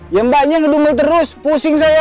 ya mbaknya ngedumel terus pusing saya